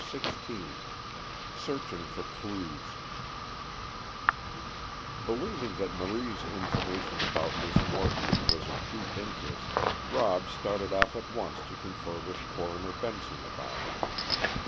XVI SEARCHING FOR CLUES Believing that Marie's information about Miss Morton was of deep interest, Rob started off at once to confer with Coroner Benson about it.